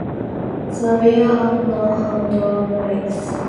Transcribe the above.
The rear end now had drum brakes.